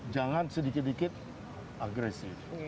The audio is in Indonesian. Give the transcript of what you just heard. jangan sedikit sedikit agresif